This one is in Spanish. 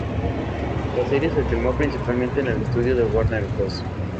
La serie se filmó principalmente en el estudio de Warner Bros.